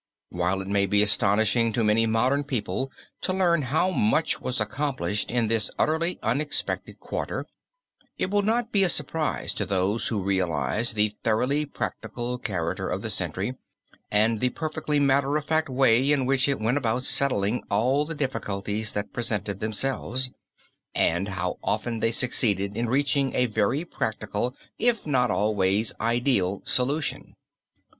While it may be astonishing to many modern people to learn how much was accomplished in this utterly unexpected quarter, it will not be a surprise to those who realize the thoroughly practical character of the century and the perfectly matter of fact way in which it went about settling all the difficulties that presented themselves; and how often they succeeded in reaching a very practical if not always ideal solution.